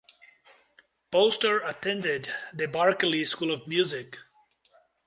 Poster attended the Berklee School of Music.